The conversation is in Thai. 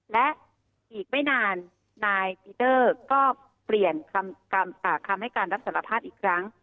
และอีกไม่นานนายปีเดอร์ก็เปลี่ยนคำให้การรับสารภาพอีกครั้ง